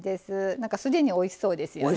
なんか既においしそうですよね。